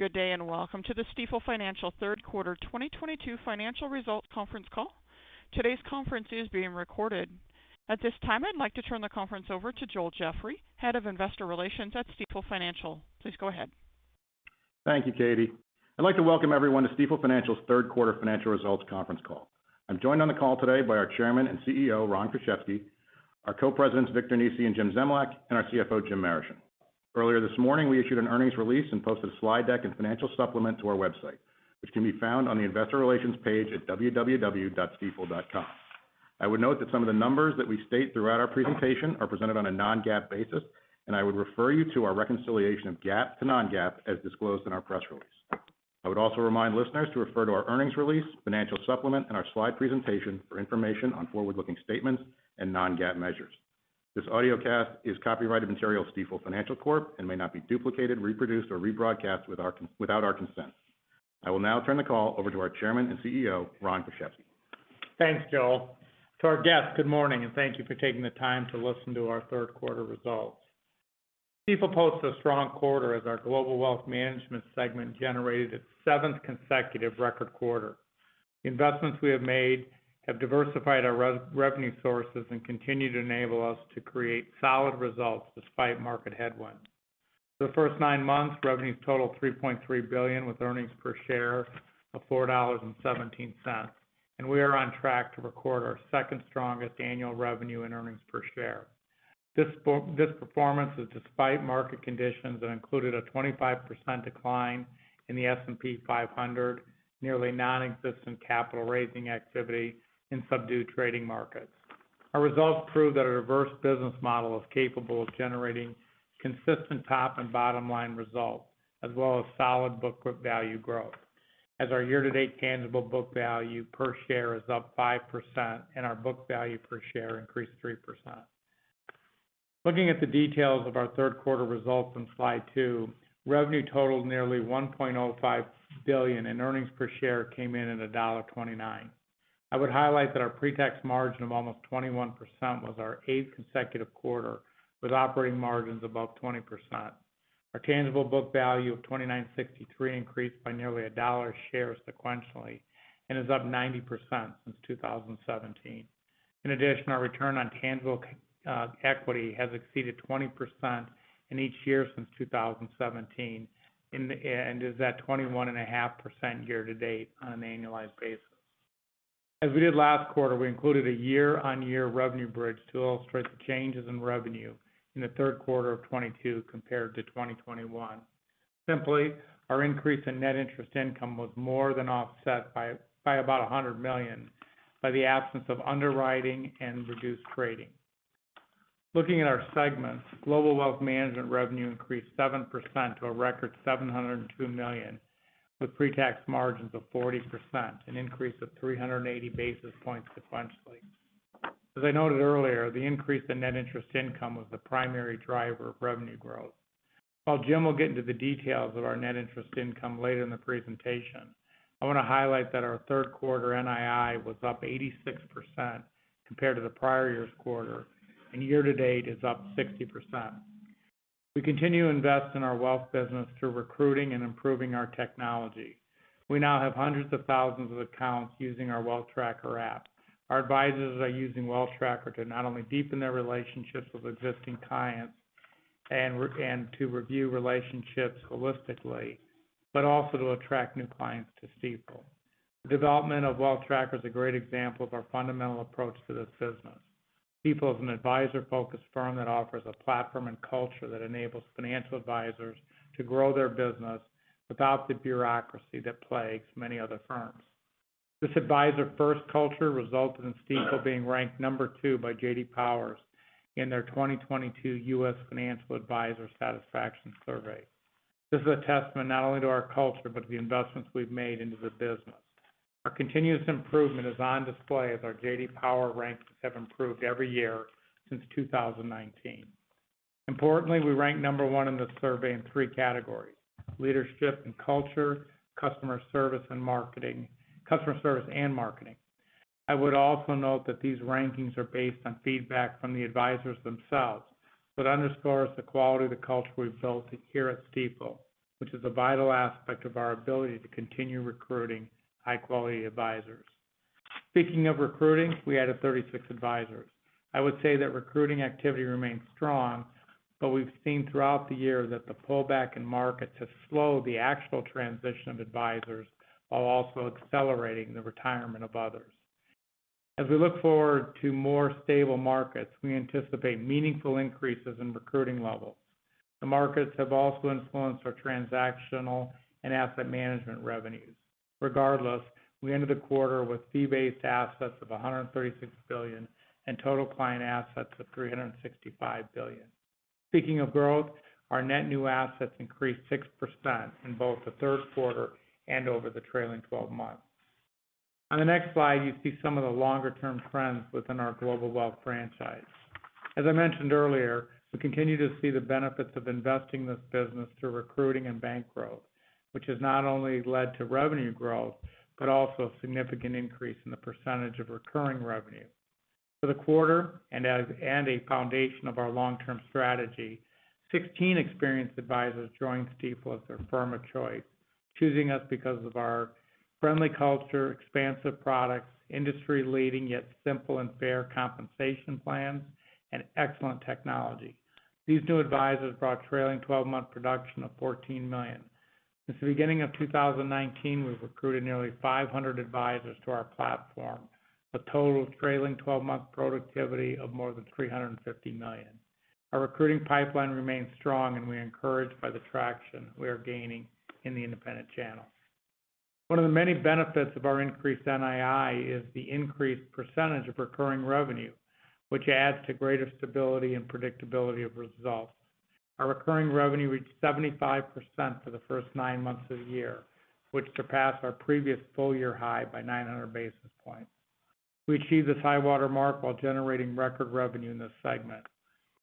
Good day, and welcome to the Stifel Financial Third Quarter 2022 Financial Results Conference Call. Today's conference is being recorded. At this time, I'd like to turn the conference over to Joel Jeffrey, Head of Investor Relations at Stifel Financial. Please go ahead. Thank you, Katie. I'd like to welcome everyone to Stifel Financial's third quarter financial results conference call. I'm joined on the call today by our Chairman and CEO, Ron Kruszewski, our Co-Presidents, Victor Nesi and Jim Zemlyak, and our CFO, Jim Marischen. Earlier this morning, we issued an earnings release and posted a slide deck and financial supplement to our website, which can be found on the Investor Relations page at stifel.com. I would note that some of the numbers that we state throughout our presentation are presented on a non-GAAP basis, and I would refer you to our reconciliation of GAAP to non-GAAP as disclosed in our press release. I would also remind listeners to refer to our earnings release, financial supplement, and our slide presentation for information on forward-looking statements and non-GAAP measures. This audiocast is copyrighted material of Stifel Financial Corp., and may not be duplicated, reproduced, or rebroadcast without our consent. I will now turn the call over to our Chairman and CEO, Ron Kruszewski. Thanks, Joel. To our guests, good morning, and thank you for taking the time to listen to our third quarter results. Stifel posted a strong quarter as our Global Wealth Management segment generated its seventh consecutive record quarter. The investments we have made have diversified our revenue sources and continue to enable us to create solid results despite market headwinds. The first nine months, revenues totaled $3.3 billion with earnings per share of $4.17, and we are on track to record our second strongest annual revenue and earnings per share. This performance is despite market conditions that included a 25% decline in the S&P 500, nearly non-existent capital raising activity and subdued trading markets. Our results prove that a diverse business model is capable of generating consistent top and bottom line results, as well as solid book value growth. Our year-to-date tangible book value per share is up 5% and our book value per share increased 3%. Looking at the details of our third quarter results on slide two, revenue totaled nearly $1.05 billion and earnings per share came in at $1.29. I would highlight that our pre-tax margin of almost 21% was our eighth consecutive quarter with operating margins above 20%. Our tangible book value of $29.63 increased by nearly $1 a share sequentially and is up 90% since 2017. In addition, our return on tangible equity has exceeded 20% in each year since 2017 and is at 21.5% year to date on an annualized basis. As we did last quarter, we included a year-on-year revenue bridge to illustrate the changes in revenue in the third quarter of 2022 compared to 2021. Simply, our increase in net interest income was more than offset by about $100 million by the absence of underwriting and reduced trading. Looking at our segments, Global Wealth Management revenue increased 7% to a record $702 million, with pre-tax margins of 40%, an increase of 380 basis points sequentially. As I noted earlier, the increase in net interest income was the primary driver of revenue growth. While Jim will get into the details of our net interest income later in the presentation, I want to highlight that our third quarter NII was up 86% compared to the prior year's quarter, and year to date is up 60%. We continue to invest in our wealth business through recruiting and improving our technology. We now have hundreds of thousands of accounts using our Wealth Tracker app. Our advisors are using Wealth Tracker to not only deepen their relationships with existing clients and to review relationships holistically, but also to attract new clients to Stifel. The development of Wealth Tracker is a great example of our fundamental approach to this business. Stifel is an advisor-focused firm that offers a platform and culture that enables financial advisors to grow their business without the bureaucracy that plagues many other firms. This advisor first culture resulted in Stifel being ranked number 2 by J.D. Power in their 2022 U.S. Financial Advisor Satisfaction Study. This is a testament not only to our culture, but the investments we've made into the business. Our continuous improvement is on display as our J.D. Power rankings have improved every year since 2019. Importantly, we ranked number one in the survey in three categories, leadership and culture, customer service and marketing. I would also note that these rankings are based on feedback from the advisors themselves, but underscores the quality of the culture we've built here at Stifel, which is a vital aspect of our ability to continue recruiting high-quality advisors. Speaking of recruiting, we added 36 advisors. I would say that recruiting activity remains strong, but we've seen throughout the year that the pullback in markets have slowed the actual transition of advisors while also accelerating the retirement of others. As we look forward to more stable markets, we anticipate meaningful increases in recruiting levels. The markets have also influenced our transactional and asset management revenues. Regardless, we ended the quarter with fee-based assets of $136 billion and total client assets of $365 billion. Speaking of growth, our net new assets increased 6% in both the third quarter and over the trailing twelve months. On the next slide, you see some of the longer-term trends within our global wealth franchise. As I mentioned earlier, we continue to see the benefits of investing in this business through recruiting and bank growth, which has not only led to revenue growth, but also a significant increase in the percentage of recurring revenue. For the quarter and a foundation of our long-term strategy, 16 experienced advisors joined Stifel as their firm of choice, choosing us because of our friendly culture, expansive products, industry-leading yet simple and fair compensation plan, and excellent technology. These new advisors brought trailing twelve-month production of $14 million. Since the beginning of 2019, we've recruited nearly 500 advisors to our platform, a total trailing twelve-month productivity of more than $350 million. Our recruiting pipeline remains strong, and we are encouraged by the traction we are gaining in the independent channel. One of the many benefits of our increased NII is the increased percentage of recurring revenue, which adds to greater stability and predictability of results. Our recurring revenue reached 75% for the first 9 months of the year, which surpassed our previous full year high by 900 basis points. We achieved this high water mark while generating record revenue in this segment.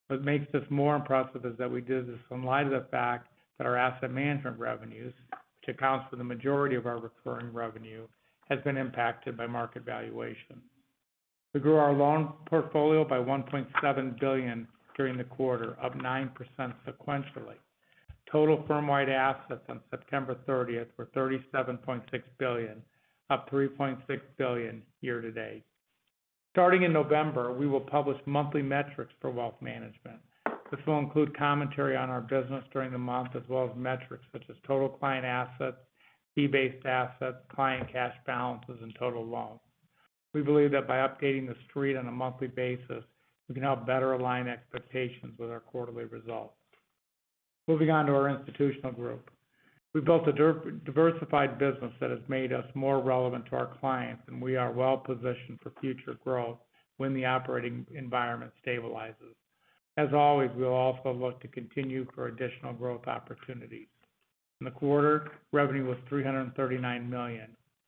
What makes this more impressive is that we did this in light of the fact that our asset management revenues, which account for the majority of our recurring revenue, has been impacted by market valuation. We grew our loan portfolio by $1.7 billion during the quarter, up 9% sequentially. Total firm-wide assets on September 30 were $37.6 billion, up $3.6 billion year to date. Starting in November, we will publish monthly metrics for wealth management. This will include commentary on our business during the month, as well as metrics such as total client assets, fee-based assets, client cash balances, and total loans. We believe that by updating the street on a monthly basis, we can help better align expectations with our quarterly results. Moving on to our institutional group. We built a diversified business that has made us more relevant to our clients, and we are well positioned for future growth when the operating environment stabilizes. As always, we will also look to continue for additional growth opportunities. In the quarter, revenue was $339 million.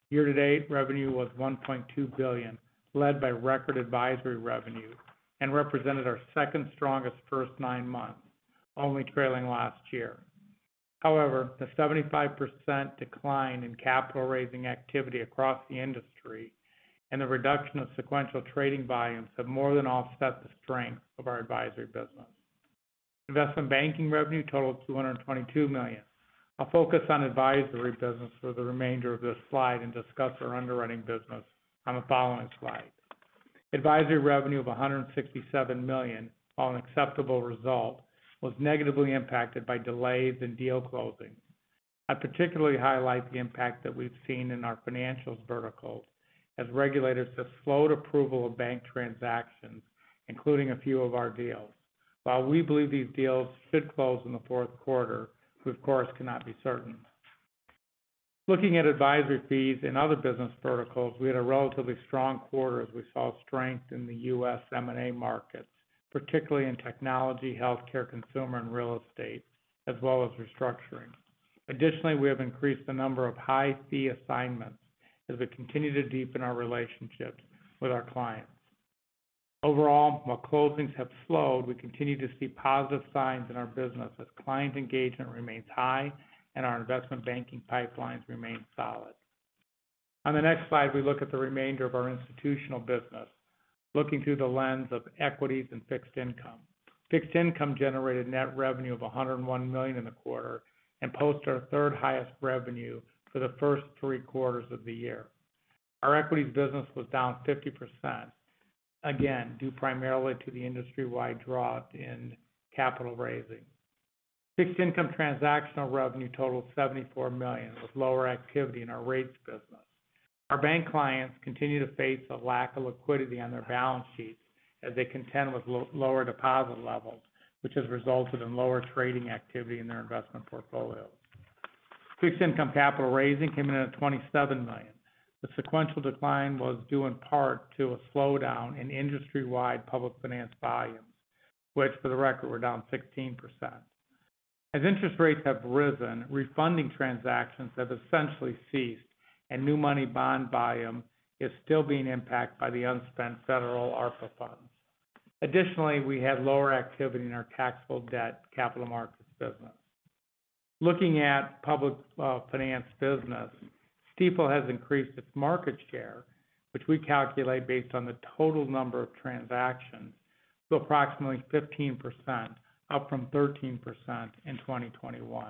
Year to date, revenue was $1.2 billion, led by record advisory revenue and represented our second strongest first nine months, only trailing last year. However, the 75% decline in capital raising activity across the industry and the reduction of sequential trading volumes have more than offset the strength of our advisory business. Investment banking revenue totaled $222 million. I'll focus on advisory business for the remainder of this slide and discuss our underwriting business on the following slide. Advisory revenue of $167 million, while an acceptable result, was negatively impacted by delays in deal closing. I particularly highlight the impact that we've seen in our financials verticals as regulators have slowed approval of bank transactions, including a few of our deals. While we believe these deals should close in the fourth quarter, we of course cannot be certain. Looking at advisory fees in other business verticals, we had a relatively strong quarter as we saw strength in the U.S. M&A markets, particularly in technology, healthcare, consumer, and real estate, as well as restructuring. Additionally, we have increased the number of high fee assignments as we continue to deepen our relationships with our clients. Overall, while closings have slowed, we continue to see positive signs in our business as client engagement remains high and our investment banking pipelines remain solid. On the next slide, we look at the remainder of our institutional business, looking through the lens of equities and fixed income. Fixed income generated net revenue of $101 million in the quarter and posted our third highest revenue for the first three quarters of the year. Our equities business was down 50%, again, due primarily to the industry-wide drought in capital raising. Fixed income transactional revenue totaled $74 million, with lower activity in our rates business. Our bank clients continue to face a lack of liquidity on their balance sheets as they contend with lower deposit levels, which has resulted in lower trading activity in their investment portfolios. Fixed income capital raising came in at $27 million. The sequential decline was due in part to a slowdown in industry-wide public finance volumes, which for the record, were down 16%. As interest rates have risen, refunding transactions have essentially ceased and new money bond volume is still being impacted by the unspent federal ARPA funds. Additionally, we had lower activity in our taxable debt capital markets business. Looking at public finance business, Stifel has increased its market share, which we calculate based on the total number of transactions to approximately 15%, up from 13% in 2021.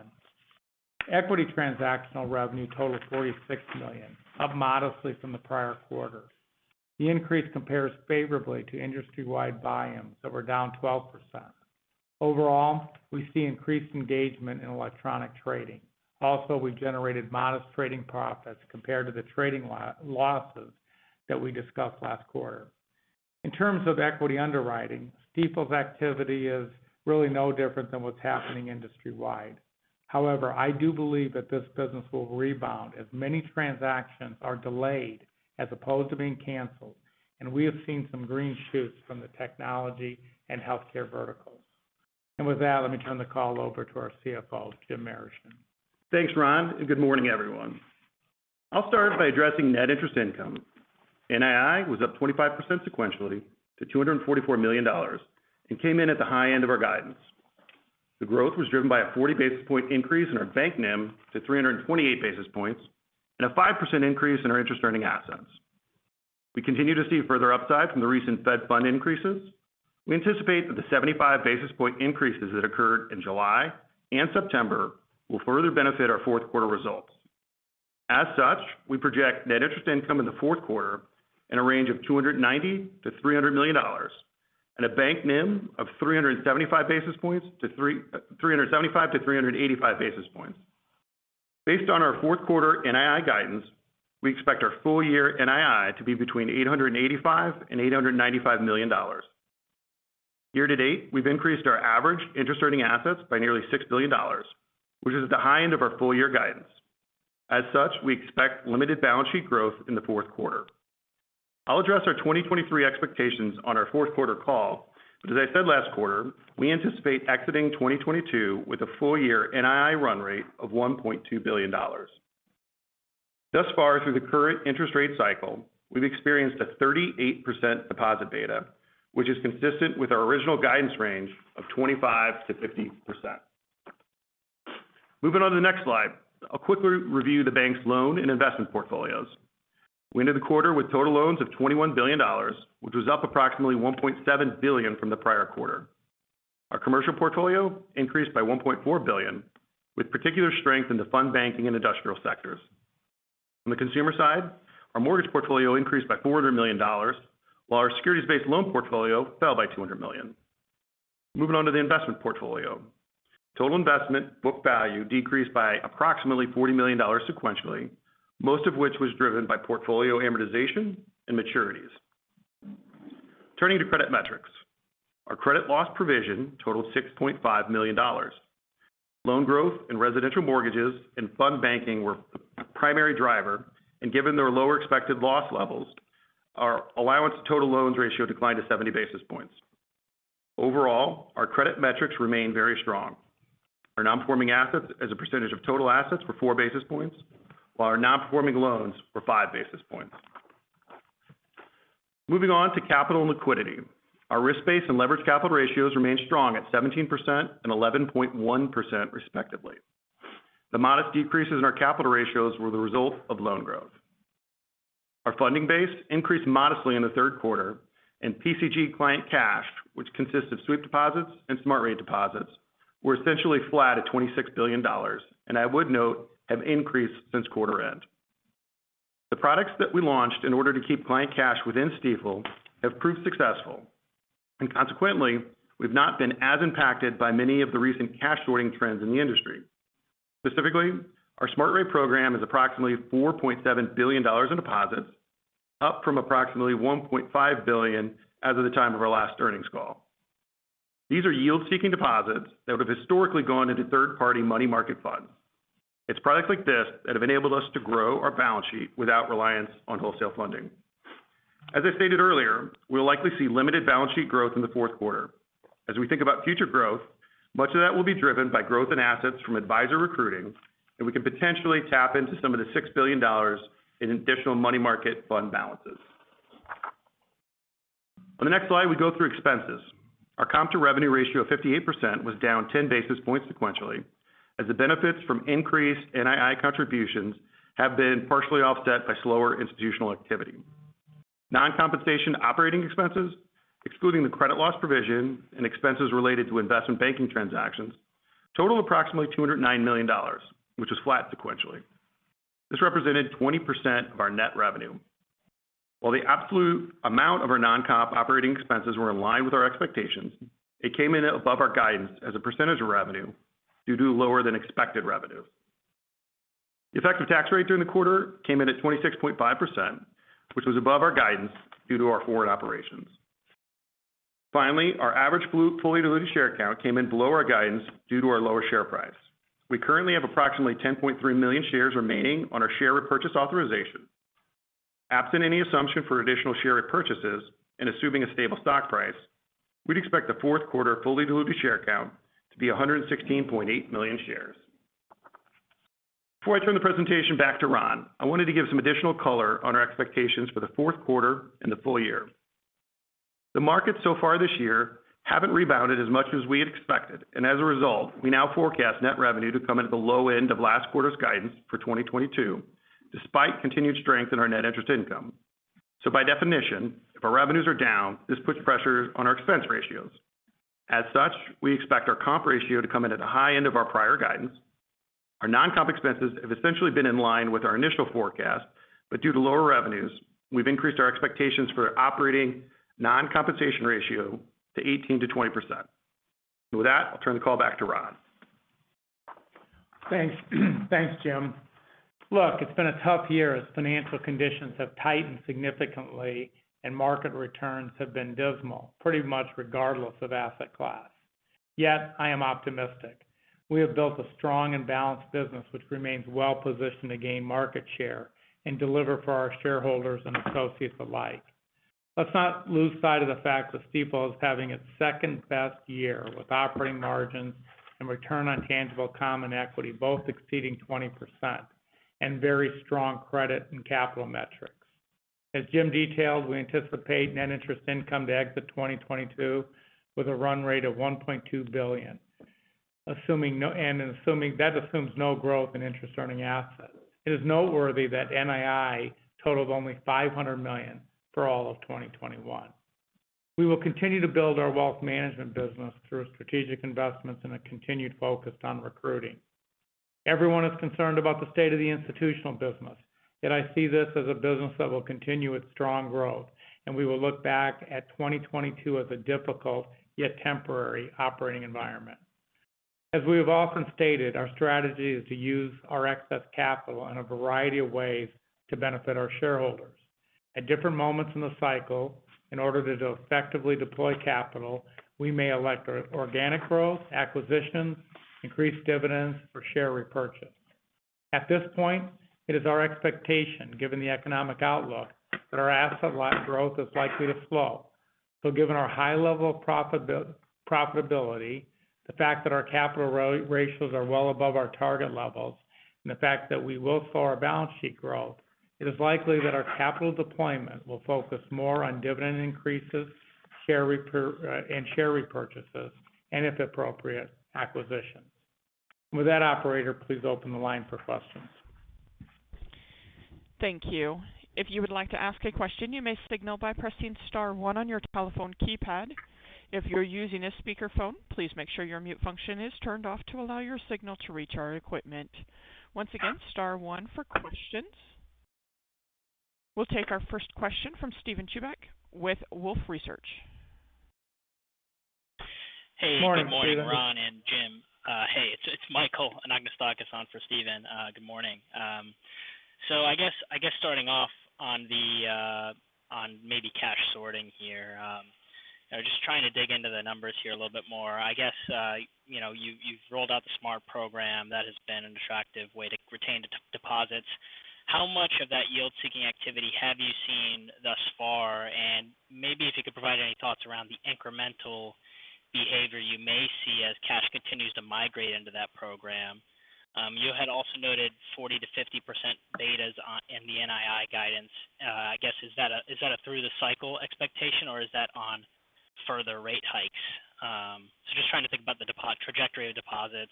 Equity transactional revenue totaled $46 million, up modestly from the prior quarter. The increase compares favorably to industry-wide volumes that were down 12%. Overall, we see increased engagement in electronic trading. Also, we've generated modest trading profits compared to the trading losses that we discussed last quarter. In terms of equity underwriting, Stifel's activity is really no different than what's happening industry-wide. However, I do believe that this business will rebound as many transactions are delayed as opposed to being canceled. We have seen some green shoots from the technology and healthcare verticals. With that, let me turn the call over to our CFO, Jim Marischen. Thanks, Ron, and good morning, everyone. I'll start by addressing net interest income. NII was up 25% sequentially to $244 million and came in at the high end of our guidance. The growth was driven by a 40 basis point increase in our bank NIM to 328 basis points, and a 5% increase in our interest-earning assets. We continue to see further upside from the recent Fed fund increases. We anticipate that the 75 basis point increases that occurred in July and September will further benefit our fourth-quarter results. As such, we project net interest income in the fourth quarter in a range of $290 million-$300 million and a bank NIM of 375 basis points to 385 basis points. Based on our fourth quarter NII guidance, we expect our full year NII to be between $885 million and $895 million. Year to date, we've increased our average interest earning assets by nearly $6 billion, which is at the high end of our full year guidance. As such, we expect limited balance sheet growth in the fourth quarter. I'll address our 2023 expectations on our fourth quarter call. As I said last quarter, we anticipate exiting 2022 with a full year NII run rate of $1.2 billion. Thus far through the current interest rate cycle, we've experienced a 38% deposit beta, which is consistent with our original guidance range of 25%-50%. Moving on to the next slide, I'll quickly review the bank's loan and investment portfolios. We ended the quarter with total loans of $21 billion, which was up approximately $1.7 billion from the prior quarter. Our commercial portfolio increased by $1.4 billion, with particular strength in the fund banking and industrial sectors. On the consumer side, our mortgage portfolio increased by $400 million, while our securities-based loan portfolio fell by $200 million. Moving on to the investment portfolio. Total investment book value decreased by approximately $40 million sequentially, most of which was driven by portfolio amortization and maturities. Turning to credit metrics. Our credit loss provision totaled $6.5 million. Loan growth in residential mortgages and fund banking were the primary driver, and given their lower expected loss levels, our allowance to total loans ratio declined to 70 basis points. Overall, our credit metrics remain very strong. Our non-performing assets as a percentage of total assets were 4 basis points, while our non-performing loans were 5 basis points. Moving on to capital and liquidity. Our risk-based and leverage capital ratios remain strong at 17% and 11.1%, respectively. The modest decreases in our capital ratios were the result of loan growth. Our funding base increased modestly in the third quarter, and PCG client cash, which consists of sweep deposits and Smart Rate deposits, were essentially flat at $26 billion, and I would note, have increased since quarter end. The products that we launched in order to keep client cash within Stifel have proved successful. Consequently, we've not been as impacted by many of the recent cash hoarding trends in the industry. Specifically, our Smart Rate program is approximately $4.7 billion in deposits, up from approximately $1.5 billion as of the time of our last earnings call. These are yield-seeking deposits that would have historically gone into third-party money market funds. It's products like this that have enabled us to grow our balance sheet without reliance on wholesale funding. As I stated earlier, we'll likely see limited balance sheet growth in the fourth quarter. As we think about future growth, much of that will be driven by growth in assets from advisor recruiting, and we can potentially tap into some of the $6 billion in additional money market fund balances. On the next slide, we go through expenses. Our comp-to-revenue ratio of 58% was down 10 basis points sequentially as the benefits from increased NII contributions have been partially offset by slower institutional activity. Non-compensation operating expenses, excluding the credit loss provision and expenses related to investment banking transactions, totaled approximately $209 million, which was flat sequentially. This represented 20% of our net revenue. While the absolute amount of our non-comp operating expenses were in line with our expectations, it came in above our guidance as a percentage of revenue due to lower than expected revenue. The effective tax rate during the quarter came in at 26.5%, which was above our guidance due to our foreign operations. Finally, our average fully diluted share count came in below our guidance due to our lower share price. We currently have approximately 10.3 million shares remaining on our share repurchase authorization. Absent any assumption for additional share repurchases and assuming a stable stock price, we'd expect the fourth quarter fully diluted share count to be 116.8 million shares. Before I turn the presentation back to Ron, I wanted to give some additional color on our expectations for the fourth quarter and the full year. The markets so far this year haven't rebounded as much as we had expected, and as a result, we now forecast net revenue to come in at the low end of last quarter's guidance for 2022, despite continued strength in our net interest income. By definition, if our revenues are down, this puts pressure on our expense ratios. As such, we expect our comp ratio to come in at the high end of our prior guidance. Our non-comp expenses have essentially been in line with our initial forecast, but due to lower revenues, we've increased our expectations for operating non-compensation ratio to 18%-20%. With that, I'll turn the call back to Ron. Thanks. Thanks, Jim. Look, it's been a tough year as financial conditions have tightened significantly and market returns have been dismal, pretty much regardless of asset class. Yet, I am optimistic. We have built a strong and balanced business which remains well-positioned to gain market share and deliver for our shareholders and associates alike. Let's not lose sight of the fact that Stifel is having its second-best year with operating margins and return on tangible common equity both exceeding 20% and very strong credit and capital metrics. As Jim detailed, we anticipate net interest income to exit 2022 with a run rate of $1.2 billion. Assuming no growth in interest earning assets. It is noteworthy that NII totals only $500 million for all of 2021. We will continue to build our wealth management business through strategic investments and a continued focus on recruiting. Everyone is concerned about the state of the institutional business, yet I see this as a business that will continue its strong growth, and we will look back at 2022 as a difficult, yet temporary operating environment. As we have often stated, our strategy is to use our excess capital in a variety of ways to benefit our shareholders. At different moments in the cycle, in order to effectively deploy capital, we may elect organic growth, acquisitions, increased dividends, or share repurchase. At this point, it is our expectation, given the economic outlook, that our asset growth is likely to slow. Given our high level of profitability, the fact that our capital ratios are well above our target levels, and the fact that we will slow our balance sheet growth, it is likely that our capital deployment will focus more on dividend increases, share repurchases, and if appropriate, acquisitions. With that, operator, please open the line for questions. Thank you. If you would like to ask a question, you may signal by pressing star one on your telephone keypad. If you're using a speakerphone, please make sure your mute function is turned off to allow your signal to reach our equipment. Once again, star one for questions. We'll take our first question from Steven Chubak with Wolfe Research. Hey. Morning, Steven. Good morning, Ron and Jim. Hey, it's Michael Anagnostakis on for Steven. Good morning. I guess starting off on maybe cash sorting here, I was just trying to dig into the numbers here a little bit more. I guess you know, you've rolled out the SMART program that has been an attractive way to retain deposits. How much of that yield-seeking activity have you seen thus far? Maybe if you could provide any thoughts around the incremental behavior you may see as cash continues to migrate into that program. You had also noted 40%-50% betas in the NII guidance. I guess, is that a through the cycle expectation or is that on further rate hikes? Just trying to think about the deposit trajectory of deposits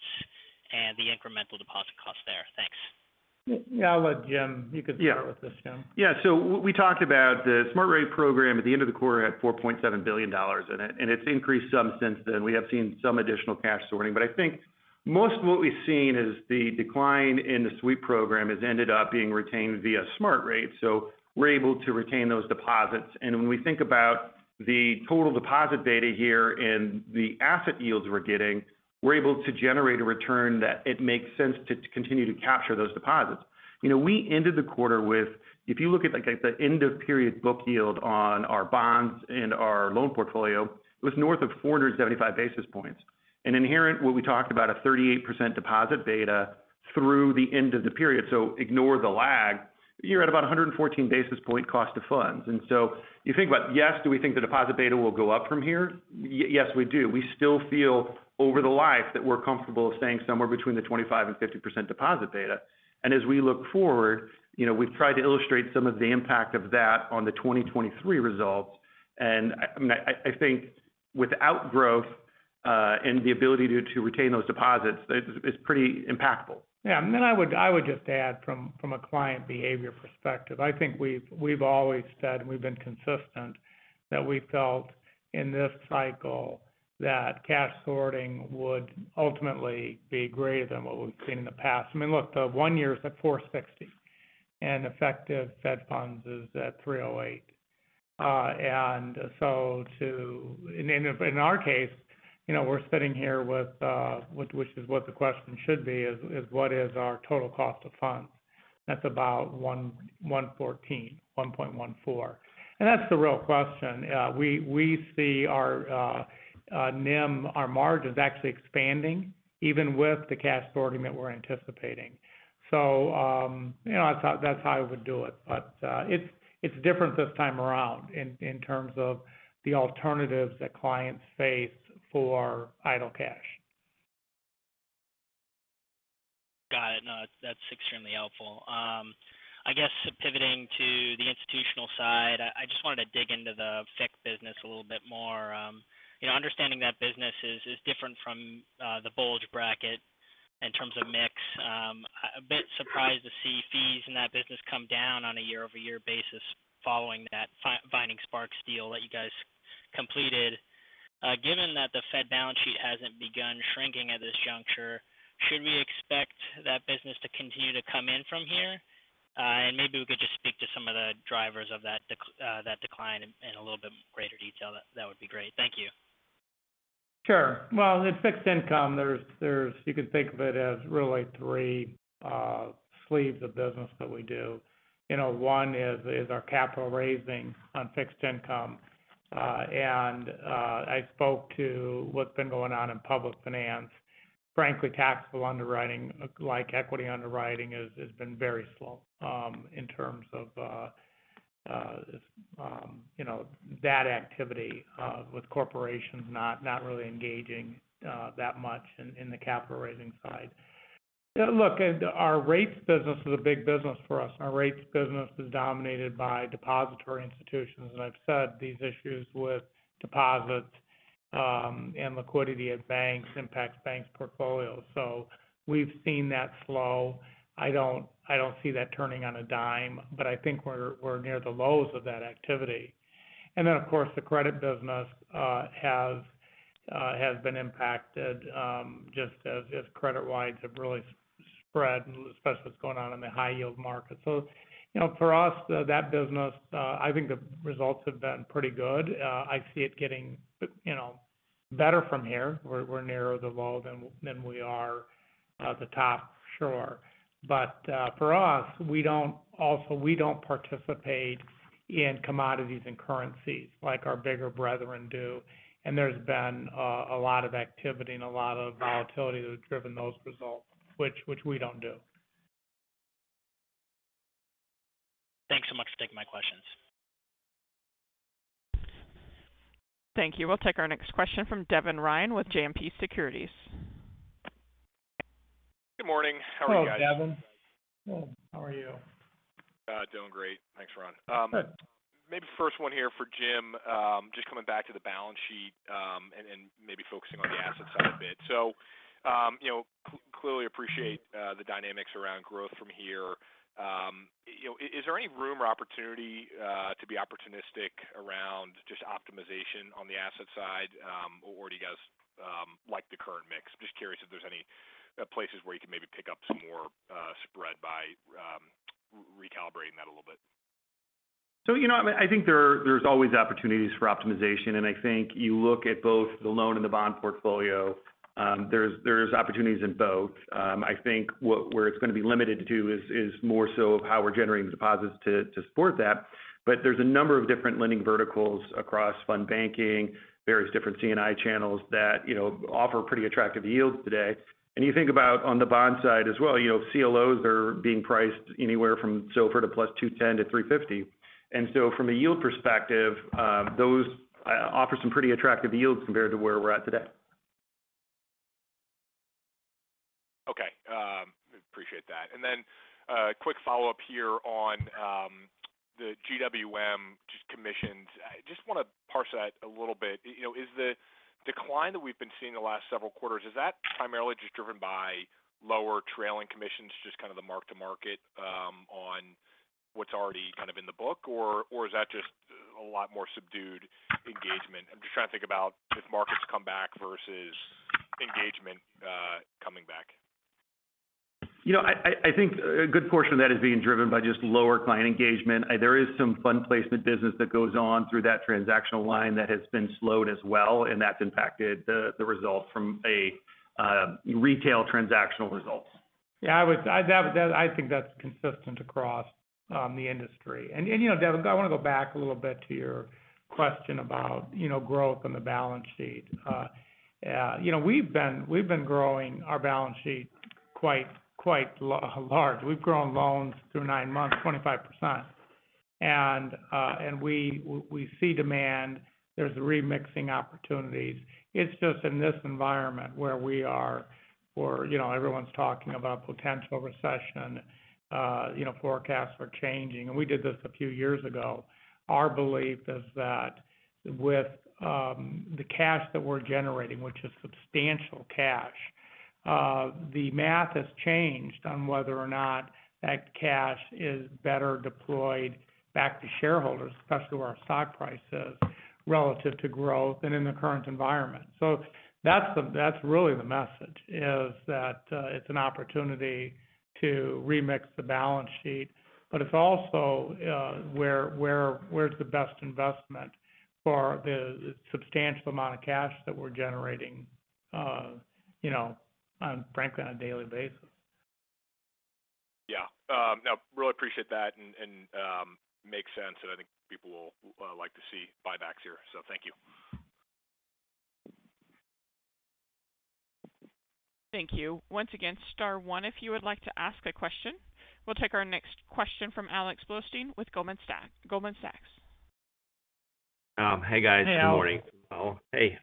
and the incremental deposit cost there. Thanks. Yeah, I'll let Jim. Yeah. Start with this, Jim. Yeah. We talked about the Smart Rate program at the end of the quarter had $4.7 billion in it, and it's increased some since then. We have seen some additional cash sorting. I think most of what we've seen is the decline in the sweep program has ended up being retained via Smart Rate. We're able to retain those deposits. When we think about the total deposit beta here and the asset yields we're getting, we're able to generate a return that it makes sense to continue to capture those deposits. You know, we ended the quarter with, if you look at, like, at the end of period book yield on our bonds and our loan portfolio, it was north of 475 basis points. Inherent, what we talked about a 38% deposit beta through the end of the period. Ignore the lag. You're at about a 114 basis point cost of funds. You think about, yes, do we think the deposit beta will go up from here? Yes, we do. We still feel over the life that we're comfortable staying somewhere between the 25% and 50% deposit beta. As we look forward, you know, we've tried to illustrate some of the impact of that on the 2023 results. I mean, I think without growth and the ability to retain those deposits, it is pretty impactful. Yeah. I would just add from a client behavior perspective, I think we've always said we've been consistent, that we felt in this cycle that cash sorting would ultimately be greater than what we've seen in the past. I mean, look, the one year is at 4.60 and effective Fed funds is at 3.08. And in our case, you know, we're sitting here with which is what the question should be is what is our total cost of funds? That's about 1.14. And that's the real question. We see our NIM, our margin is actually expanding even with the cash sorting that we're anticipating. You know, I thought that's how I would do it. It's different this time around in terms of the alternatives that clients face for idle cash. Got it. No, that's extremely helpful. I guess pivoting to the institutional side, I just wanted to dig into the FIC business a little bit more. You know, understanding that business is different from the bulge bracket in terms of mix. A bit surprised to see fees in that business come down on a year-over-year basis following that Vining Sparks deal that you guys completed. Given that the Fed balance sheet hasn't begun shrinking at this juncture, should we expect that business to continue to come in from here? Maybe we could just speak to some of the drivers of that decline in a little bit greater detail. That would be great. Thank you. Sure. Well, in fixed income, you could think of it as really three sleeves of business that we do. You know, one is our capital raising on fixed income. I spoke to what's been going on in public finance. Frankly, taxable underwriting, like equity underwriting, has been very slow in terms of you know that activity with corporations not really engaging that much in the capital raising side. Yeah, look, our rates business is a big business for us. Our rates business is dominated by depository institutions. I've said these issues with deposits and liquidity at banks impacts banks' portfolios. We've seen that slow. I don't see that turning on a dime, but I think we're near the lows of that activity. Then, of course, the credit business has been impacted just as credit spreads have really widened, especially what's going on in the high yield market. You know, for us, that business, I think the results have been pretty good. I see it getting, you know, better from here. We're nearer to the low than we are to the top for sure. For us, we don't participate in commodities and currencies like our bigger brethren do. There's been a lot of activity and a lot of volatility that have driven those results, which we don't do. Thanks so much for taking my questions. Thank you. We'll take our next question from Devin Ryan with JMP Securities. Good morning. How are you guys? Hello, Devin. How are you? Doing great. Thanks, Ron. Good. Maybe the first one here for Jim, just coming back to the balance sheet, and then maybe focusing on the asset side a bit. You know, clearly appreciate the dynamics around growth from here. You know, is there any room or opportunity to be opportunistic around just optimization on the asset side? Or do you guys like the current mix? I'm just curious if there's any places where you can maybe pick up some more spread by recalibrating that a little bit. You know, I mean, I think there's always opportunities for optimization, and I think you look at both the loan and the bond portfolio. There's opportunities in both. I think where it's gonna be limited to is more so of how we're generating deposits to support that. There's a number of different lending verticals across fund banking, various different C&I channels that you know offer pretty attractive yields today. You think about on the bond side as well, you know, CLOs are being priced anywhere from SOFR plus 210-350. From a yield perspective, those offer some pretty attractive yields compared to where we're at today. Okay. Appreciate that. Quick follow-up here on the GWM just commissions. I just wanna parse that a little bit. You know, is the decline that we've been seeing the last several quarters, is that primarily just driven by lower trailing commissions, just kind of the mark to market on what's already kind of in the book? Or is that just a lot more subdued engagement? I'm just trying to think about if markets come back versus engagement coming back. You know, I think a good portion of that is being driven by just lower client engagement. There is some fund placement business that goes on through that transactional line that has been slowed as well, and that's impacted the results from a retail transactional results. I think that's consistent across the industry. You know, Devin, I wanna go back a little bit to your question about, you know, growth on the balance sheet. You know, we've been growing our balance sheet quite large. We've grown loans through nine months, 25%. And we see demand. There's remixing opportunities. It's just in this environment where we are, you know, everyone's talking about potential recession, you know, forecasts are changing, and we did this a few years ago. Our belief is that with the cash that we're generating, which is substantial cash, the math has changed on whether or not that cash is better deployed back to shareholders, especially where our stock price is relative to growth and in the current environment. That's really the message, is that it's an opportunity to remix the balance sheet, but it's also where's the best investment for the substantial amount of cash that we're generating, you know, frankly, on a daily basis. Yeah. No, really appreciate that and makes sense. I think people will like to see buybacks here. Thank you. Thank you. Once again, star one if you would like to ask a question. We'll take our next question from Alexander Blostein with Goldman Sachs. Hey, guys. Hey, Alex. Good morning.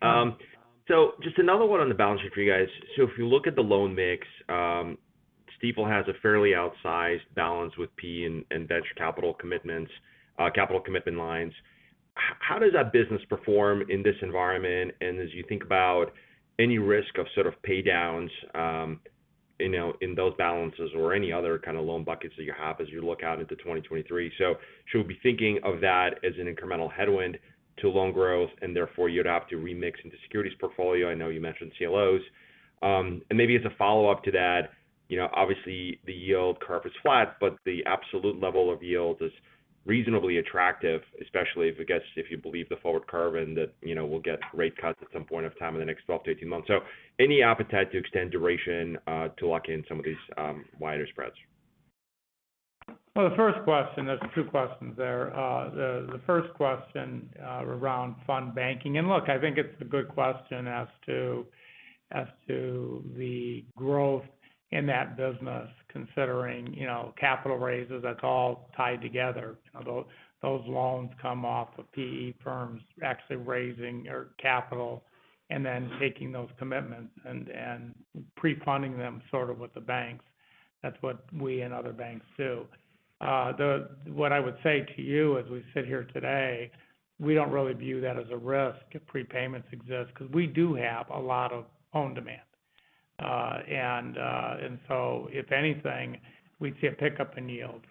Just another one on the balance sheet for you guys. If you look at the loan mix, Stifel has a fairly outsized balance with PE and venture capital commitments, capital commitment lines. How does that business perform in this environment? As you think about any risk of sort of pay downs, you know, in those balances or any other kind of loan buckets that you have as you look out into 2023. Should we be thinking of that as an incremental headwind to loan growth and therefore you'd have to remix into securities portfolio? I know you mentioned CLOs. Maybe as a follow-up to that, you know, obviously the yield curve is flat, but the absolute level of yield is reasonably attractive, especially if you believe the forward curve and that, you know, we'll get rate cuts at some point of time in the next 12-18 months. Any appetite to extend duration, to lock in some of these wider spreads? Well, the first question, there's two questions there. The first question around fund banking. Look, I think it's a good question as to the growth in that business considering, you know, capital raises. That's all tied together. You know, those loans come off of PE firms actually raising their capital and then taking those commitments and pre-funding them sort of with the banks. That's what we and other banks do. What I would say to you as we sit here today, we don't really view that as a risk if prepayments exist, because we do have a lot of ongoing demand. If anything, we'd see a pickup in yield.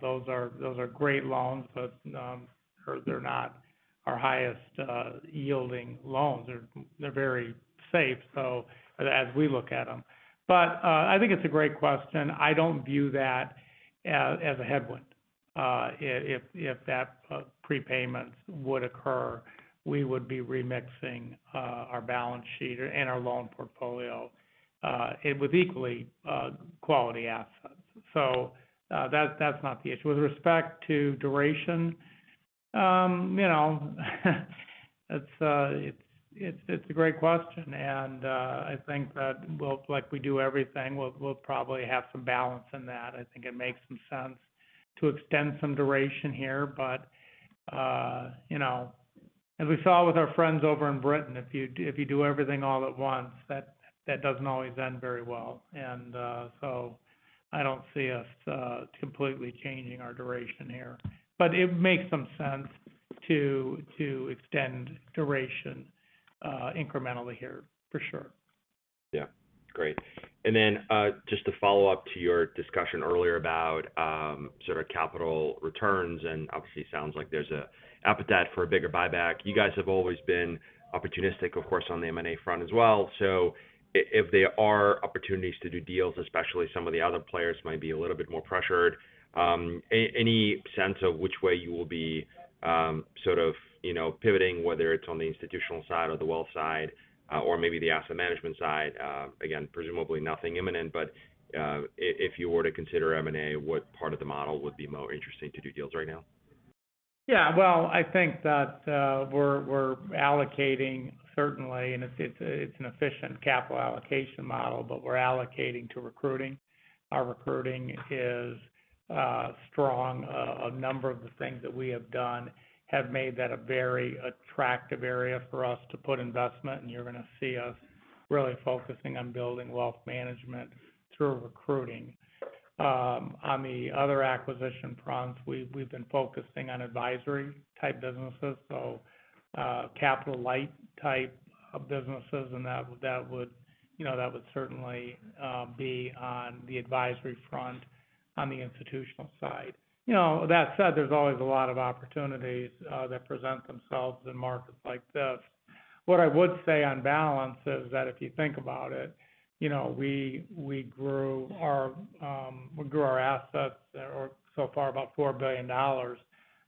Those are great loans, but they're not our highest yielding loans. They're very safe, so as we look at them. I think it's a great question. I don't view that as a headwind. If prepayments would occur, we would be remixing our balance sheet and our loan portfolio with equal quality assets. That's not the issue. With respect to duration, you know, it's a great question. I think that, like we do everything, we'll probably have some balance in that. I think it makes some sense to extend some duration here. You know, as we saw with our friends over in Britain, if you do everything all at once, that doesn't always end very well. I don't see us completely changing our duration here. It makes some sense to extend duration incrementally here, for sure. Yeah. Great. Just to follow up to your discussion earlier about sort of capital returns, and obviously sounds like there's an appetite for a bigger buyback. You guys have always been opportunistic, of course, on the M&A front as well. If there are opportunities to do deals, especially some of the other players might be a little bit more pressured, any sense of which way you will be sort of, you know, pivoting, whether it's on the institutional side or the wealth side, or maybe the asset management side? Again, presumably nothing imminent, but if you were to consider M&A, what part of the model would be more interesting to do deals right now? Yeah. Well, I think that we're allocating certainly, and it's an efficient capital allocation model, but we're allocating to recruiting. Our recruiting is strong. A number of the things that we have done have made that a very attractive area for us to put investment, and you're going to see us really focusing on building wealth management through recruiting. On the other acquisition fronts, we've been focusing on advisory-type businesses, so capital light-type of businesses, and that would, you know, certainly be on the advisory front on the institutional side. You know, that said, there's always a lot of opportunities that present themselves in markets like this. What I would say on balance is that if you think about it, you know, we grew our assets so far about $4 billion.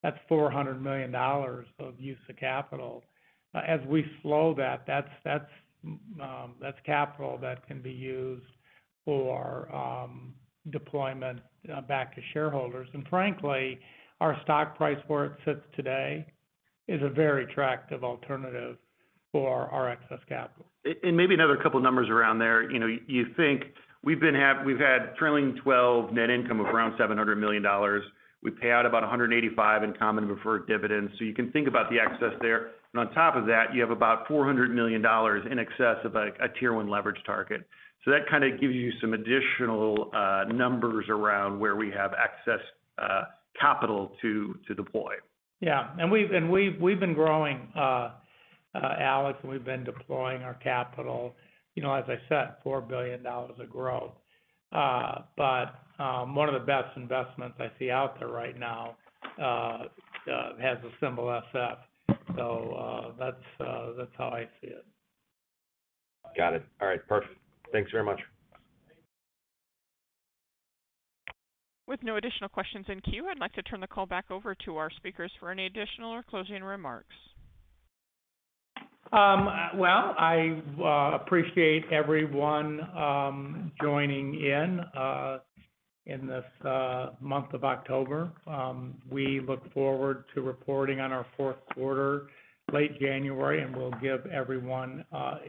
That's $400 million of use of capital. As we slow that's capital that can be used for deployment back to shareholders. Frankly, our stock price where it sits today is a very attractive alternative for our excess capital. Maybe another couple of numbers around there. You know, you think we've had trailing twelve net income of around $700 million. We pay out about $185 million in common and preferred dividends. You can think about the excess there. On top of that, you have about $400 million in excess of a tier one leverage target. That kind of gives you some additional numbers around where we have excess capital to deploy. Yeah. We've been growing, Alex, and we've been deploying our capital. You know, as I said, $4 billion of growth. One of the best investments I see out there right now has the symbol SF. That's how I see it. Got it. All right. Perfect. Thanks very much. With no additional questions in queue, I'd like to turn the call back over to our speakers for any additional or closing remarks. Well, I appreciate everyone joining in this month of October. We look forward to reporting on our fourth quarter, late January, and we'll give everyone a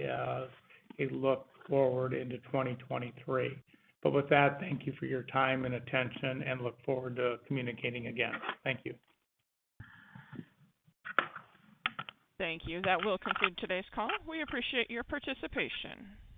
look forward into 2023. With that, thank you for your time and attention, and look forward to communicating again. Thank you. Thank you. That will conclude today's call. We appreciate your participation.